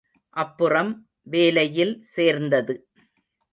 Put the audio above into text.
அப்புறம் வேலையில் சேர்ந்தது.